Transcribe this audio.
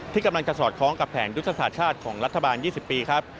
ที่กำลังจะสอดคล้องกับแผนยุทธศาสตร์ชาติของรัฐบาล๒๐ปีครับ